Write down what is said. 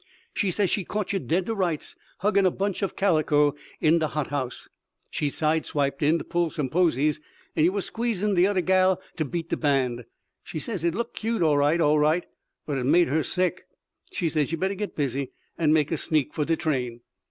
She says she caught yer dead to rights, huggin' a bunch o' calico in de hot house. She side stepped in to pull some posies and yer was squeezin' de oder gal to beat de band. She says it looked cute, all right all right, but it made her sick. She says yer better git busy, and make a sneak for de train."